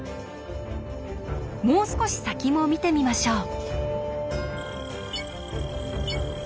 もう少し先も見てみましょう。